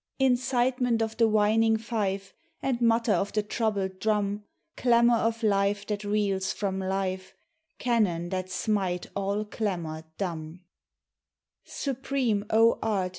Incitement of the whining fife And mutter of the troubled drum, Clamor of life that reels from life, Cannon that smite all clamor dumbl 16 MEMORIAL DAY. Supreme, O Art!